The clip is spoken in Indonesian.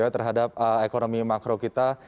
terhadap ekonomi makro kita